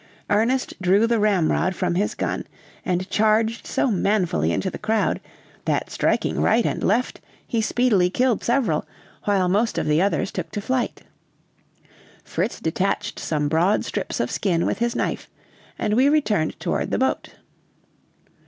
Ernest drew the ramrod from his gun, and charged so manfully into the crowd, that striking right and left he speedily killed several, while most of the others took to flight. Fritz detached some broad strips of skin with his knife, and we returned toward the boat.